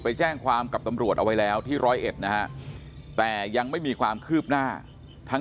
ไปแจ้งความกับตำรวจเอาไว้แล้วที่ร้อยเอ็ดนะฮะแต่ยังไม่มีความคืบหน้าทั้ง